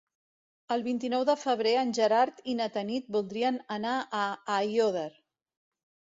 El vint-i-nou de febrer en Gerard i na Tanit voldrien anar a Aiòder.